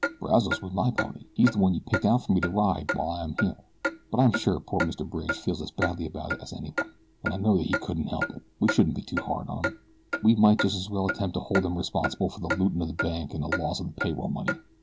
"Brazos was my pony. He's the one you picked out for me to ride while I am here; but I am sure poor Mr. Bridge feels as badly about it as anyone, and I know that he couldn't help it. We shouldn't be too hard on him. We might just as well attempt to hold him responsible for the looting of the bank and the loss of the pay roll money."